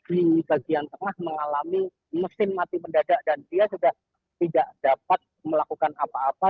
di bagian tengah mengalami mesin mati mendadak dan dia sudah tidak dapat melakukan apa apa